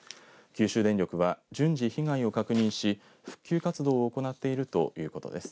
九州電力は順次、被害を確認し復旧活動を行っているということです。